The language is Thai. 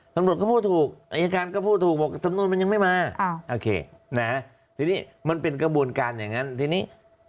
ตำรวจก็พูดถูกอายการก็พูดถูกบอกสำนวนมันยังไม่มาโอเคนะทีนี้มันเป็นกระบวนการอย่างนั้นทีนี้